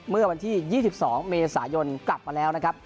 เมื่อวันที่๒๒เมษายนกลับมาแล้วนะครับ